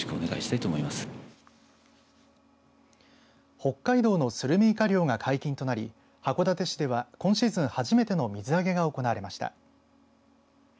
北海道のスルメイカ漁が解禁となり函館市では今シーズン初めての水揚げが行われました。